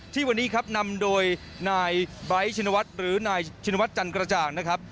ที่วันนี้ครับนำโดยนายไร้ชินวัฒน์หรือนายชินวัฒนจันกระจ่างนะครับ